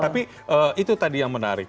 tapi itu tadi yang menarik